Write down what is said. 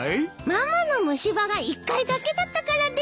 ママの虫歯が１回だけだったからです！